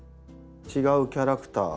違うキャラクター。